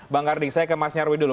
bang kardi saya ke mas nyarwi dulu